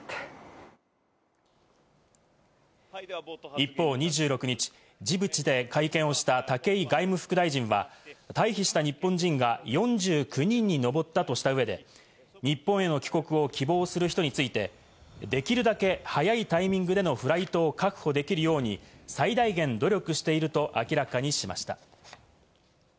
一方２６日、ジブチで会見をした武井外務副大臣は退避した日本人が４９人に上ったとした上で日本への帰国を希望する人について、できるだけ早いタイミングでのフライトを確保できるように最大限努力していると明らかにしました。